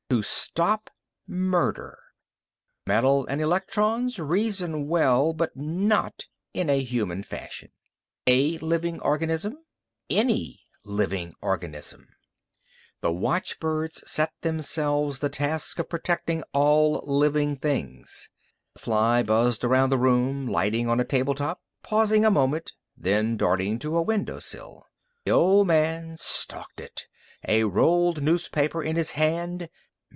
To stop murder ... Metal and electrons reason well, but not in a human fashion. A living organism? Any living organism! The watchbirds set themselves the task of protecting all living things. The fly buzzed around the room, lighting on a table top, pausing a moment, then darting to a window sill. The old man stalked it, a rolled newspaper in his hand.